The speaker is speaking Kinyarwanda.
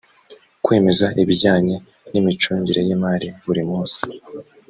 kwemeza ibijyanye n imicungire y imari buri munsi